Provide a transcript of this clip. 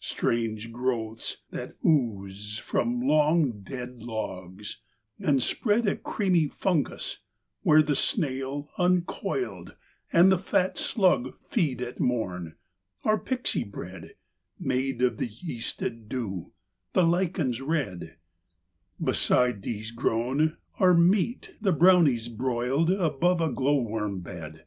Strange growths, that ooze from long dead logs and spread A creamy fungus, where the snail, uncoiled, And fat slug feed at morn, are Pixy bread Made of the yeasted dew; the lichens red, Beside these grown, are meat the Brownies broiled Above a glow worm bed.